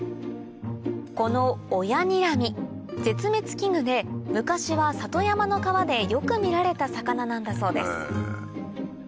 このオヤニラミ絶滅危惧で昔は里山の川でよく見られた魚なんだそうです